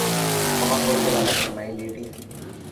ক্ষমা করবেন আমাকে, মাই লেডি!